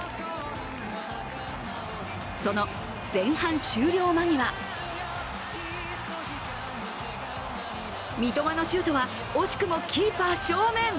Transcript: その前半終了間際三笘のシュートは惜しくもキーパー正面。